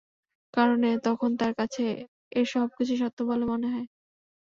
কারণ, তখন তার কাছে এর সবকিছুই সত্য বলে মনে হয়।